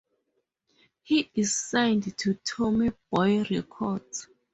He is signed to Tommy Boy Records.